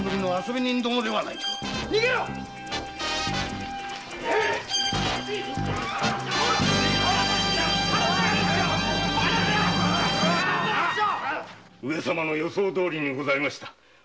逃げろ上様の予想どおりにございました。